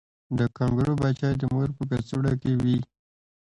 د کانګارو بچی د مور په کڅوړه کې وي